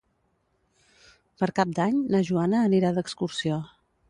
Per Cap d'Any na Joana anirà d'excursió.